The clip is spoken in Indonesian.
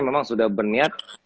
memang sudah berniat